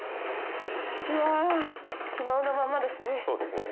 うわ昨日のままですね。